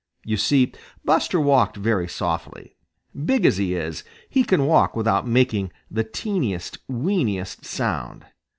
You see, Buster walked very softly. Big as he is, he can walk without making the teeniest, weeniest sound.